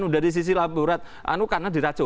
dari sisi laborat karena diracun